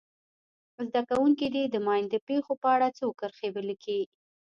زده کوونکي دې د ماین د پېښو په اړه څو کرښې ولیکي.